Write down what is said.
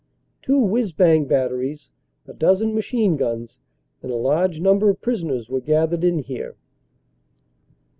Two whizz bang batteries, a dozen machine guns and a large number of prisoners were gathered in here.